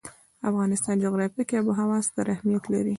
د افغانستان جغرافیه کې آب وهوا ستر اهمیت لري.